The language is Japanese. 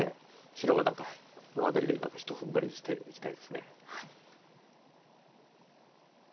白がこの辺りで何かひと踏ん張りしていきたいです。